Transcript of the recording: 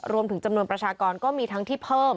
รวมถึงจำนวนประชากรก็มีทั้งที่เพิ่ม